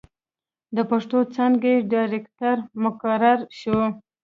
َد پښتو څانګې ډائرکټر مقرر شو